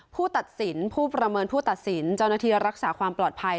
ผู้ตัดสินผู้ประเมินผู้ตัดสินเจ้าหน้าที่รักษาความปลอดภัย